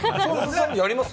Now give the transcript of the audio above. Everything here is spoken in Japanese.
やります？